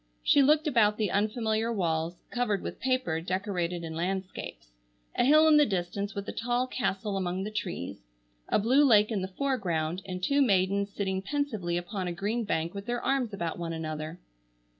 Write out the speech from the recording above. She looked about the unfamiliar walls, covered with paper decorated in landscapes—a hill in the distance with a tall castle among the trees, a blue lake in the foreground and two maidens sitting pensively upon a green bank with their arms about one another.